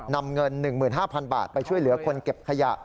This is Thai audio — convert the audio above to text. นำเงิน๑๕๐๐๐บาทไปช่วยเหลือคนเก็บขยะ